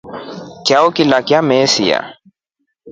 Chao kivelya kimesia.